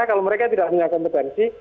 kalau mereka tidak punya kompetensi